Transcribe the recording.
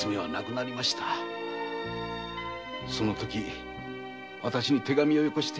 その時私に手紙をよこして。